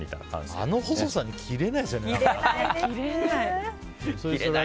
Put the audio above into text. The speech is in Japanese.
あの細さに切れないですよね。